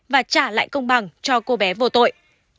và trả lại công bằng cho cô bé vô tội